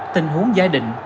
tình huống giá định